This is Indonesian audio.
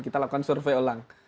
kita lakukan survei ulang